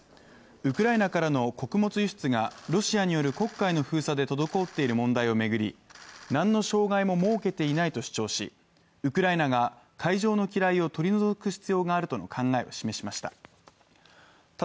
ウクライナからの穀物輸出がロシアによる黒海の封鎖で滞っている問題を巡り、何の障害も設けていないと主張し、ウクライナが海上の嫌いを取り除く必要があるとの考えを示しました。